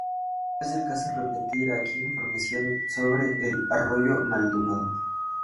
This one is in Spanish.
No es del caso repetir aquí información sobre el arroyo Maldonado.